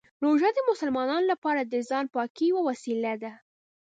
روژه د مسلمانانو لپاره د ځان پاکۍ یوه وسیله ده.